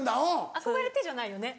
憧れてじゃないよね。